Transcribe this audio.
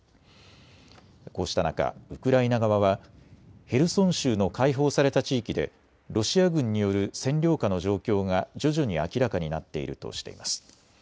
こうした中、ウクライナ側はヘルソン州の解放された地域でロシア軍による占領下の状況が徐々に明らかになっているとしています。